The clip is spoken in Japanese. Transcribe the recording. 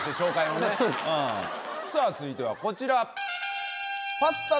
さぁ続いてはこちら。